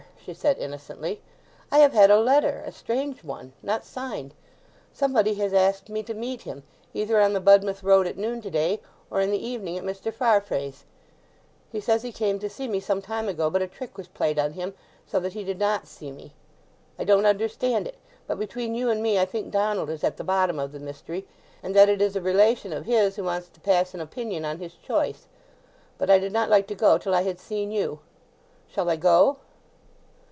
she said innocently. "I have had a letter—a strange one—not signed. Somebody has asked me to meet him, either on the Budmouth Road at noon today, or in the evening at Mr. Farfrae's. He says he came to see me some time ago, but a trick was played him, so that he did not see me. I don't understand it; but between you and me I think Donald is at the bottom of the mystery, and that it is a relation of his who wants to pass an opinion on his choice. But I did not like to go till I had seen you. Shall I go?"